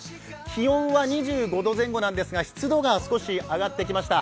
気温は２５度前後なんですが、湿度がちょっと上がってきました。